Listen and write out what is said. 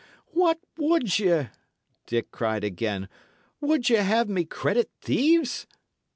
"What would ye?" Dick cried again. "Would ye have me credit thieves?"